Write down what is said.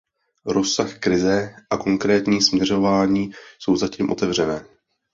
Rozsah krize a konkrétní směřování jsou zatím otevřené.